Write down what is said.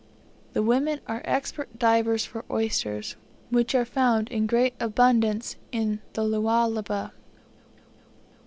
The women are expert divers for oysters, which are found in great abundance in the Lualaba.